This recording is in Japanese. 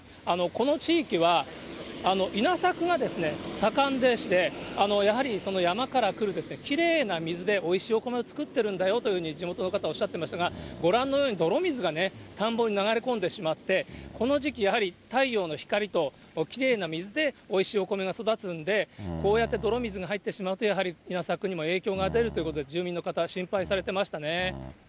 この地域は稲作が盛んでして、やはり山から来るきれいな水でおいしいお米を作ってるんだよっていうふうに、地元の方おっしゃってましたが、ご覧のように泥水が田んぼに流れ込んでしまって、この時期、やはり太陽の光ときれいな水でおいしいお米が育つんで、こうやって泥水が入ってしまうとやはり稲作にも影響が出るということで、住民の方、心配されてましたね。